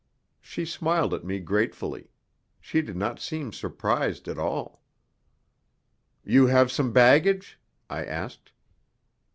She smiled at me gratefully she did not seem surprised at all. "You have some baggage?" I asked.